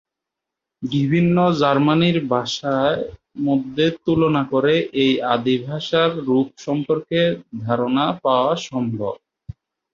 বিভিন্ন জার্মানীয় ভাষার মধ্যে তুলনা করে এই আদি ভাষার রূপ সম্পর্কে ধারণা পাওয়া সম্ভব।